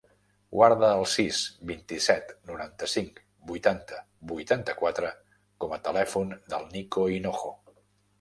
Guarda el sis, vint-i-set, noranta-cinc, vuitanta, vuitanta-quatre com a telèfon del Niko Hinojo.